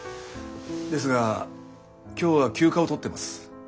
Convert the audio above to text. ですが今日は休暇を取ってます。